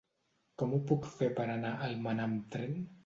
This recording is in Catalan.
Com ho puc fer per anar a Almenar amb tren?